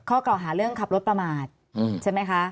เก่าหาเรื่องขับรถประมาทใช่ไหมคะ